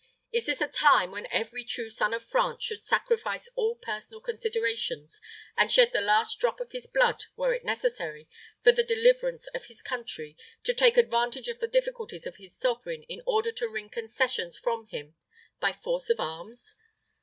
Is this a time, when every true son of France should sacrifice all personal considerations, and shed the last drop of his blood, were it necessary, for the deliverance of his country, to take advantage of the difficulties of his sovereign in order to wring concessions from him by force of arms?